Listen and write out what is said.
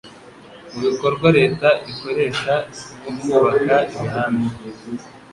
mu bikorwa Leta ikoresha nko kubaka imihanda